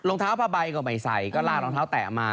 รองเท้าพาใบเข้าไปใส่ก็ลารองเท้าแตะมา